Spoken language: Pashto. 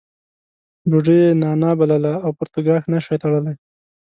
ډوډۍ یې نانا بلله او پرتوګاښ نه شوای تړلی.